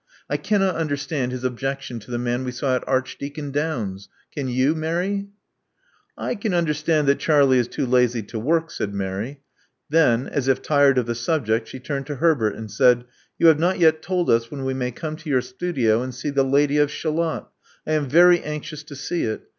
I cannot understand his objec tion to the man we saw at Archdeacon Downes's. Can you, Mary?" I can understand that Charlie is too lazy to work," said Mary. Then, as if tired of the subject, she turned to Herbert, and said, You have not yet told us when we may come to your studio and see The Lady of Shalott. I am very anxious to see it.